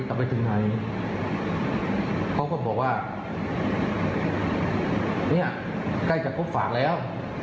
เอาไปถึงไหนเขาก็บอกว่าเนี่ยใกล้จะครบฝากแล้ว